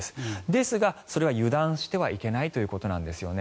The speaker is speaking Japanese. ですが、それは油断してはいけないということなんですね。